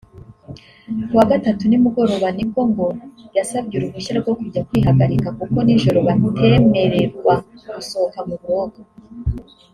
Ku wa Gatatu nimugoroba ni bwo ngo yasabye uruhushya rwo kujya kwihagarika kuko nijoro batemererwa gusohoka mu buroko